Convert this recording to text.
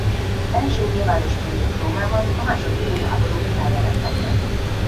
Az első nyilvános fürdők Rómában a második pun háború után jelentek meg.